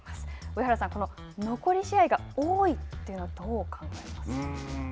上原さん、残り試合が多いというのは、どう考えますか。